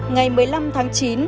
ngày một mươi năm tháng chín